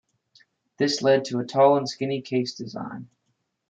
This led to a "tall and skinny" case design.